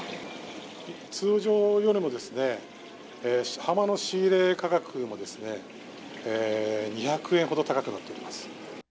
通常よりもですね、浜の仕入れ価格もですね、２００円ほど高くなっております。